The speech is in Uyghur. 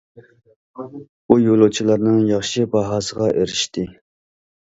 بۇ يولۇچىلارنىڭ ياخشى باھاسىغا ئېرىشتى.